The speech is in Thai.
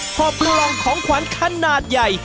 หอบลองของขวัญขนาดใหญ่